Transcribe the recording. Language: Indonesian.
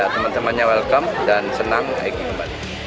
selamat datang dan senang egy kembali